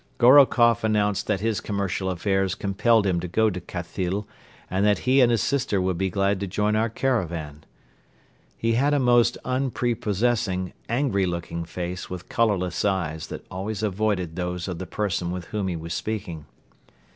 Gorokoff announced that his commercial affairs compelled him to go to Khathyl and that he and his sister would be glad to join our caravan. He had a most unprepossessing, angry looking face with colorless eyes that always avoided those of the person with whom he was speaking.